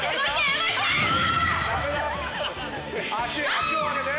脚を上げて。